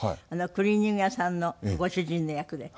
クリーニング屋さんのご主人の役で。